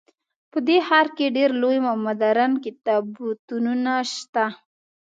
په دې ښار کې ډیر لوی او مدرن کتابتونونه شته